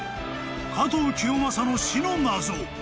［加藤清正の死の謎］